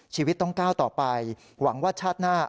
ชีวิตต้องก้าวต่อไปหวังว่าชาติหน้า